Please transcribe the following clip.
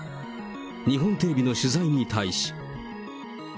日本テレビの取材に対し。